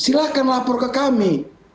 silakan lapor ke kami